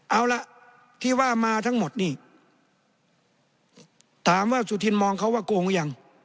เอาล่ะที่ว่ามาทั้งหมดนี่ถามว่าสุธินมองเขาว่าโกงยัง